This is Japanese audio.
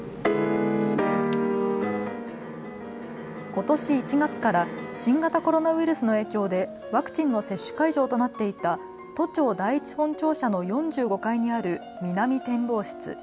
ことし１月から新型コロナウイルスの影響でワクチンの接種会場となっていた都庁第一本庁舎の４５階にある南展望室。